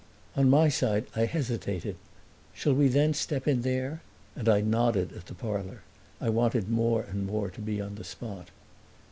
On my side I hesitated. "Shall we then step in there?" And I nodded at the parlor; I wanted more and more to be on the spot.